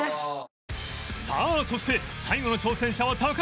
さあそして最後の挑戦者は高橋